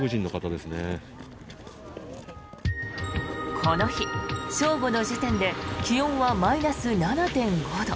この日、正午の時点で気温はマイナス７．５度。